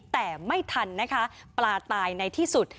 แต่ไม่ทันนะคะปลาตายในที่สุด